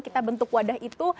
kita bentuk wadah itu